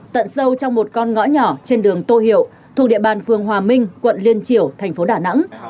tận sâu trong một con ngõ nhỏ trên đường tô hiệu thuộc địa bàn phường hòa minh quận liên triểu thành phố đà nẵng